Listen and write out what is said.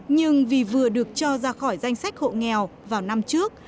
nhưng vì vừa được cho ra khỏi danh sách hộ nghèo vào năm trước